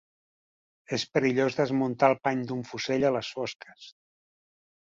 És perillós desmuntar el pany d'un fusell a les fosques